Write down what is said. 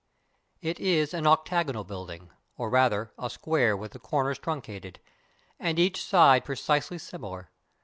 It is an octagonal building, or rather, a square with the corners truncated, and each side precisely similar.